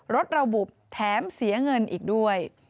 รถระบุแถมเสียเงินอีกด้วย